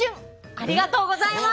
ありがとうございます。